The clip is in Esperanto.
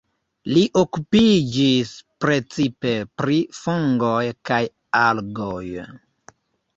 Li okupiĝis precipe pri fungoj kaj algoj.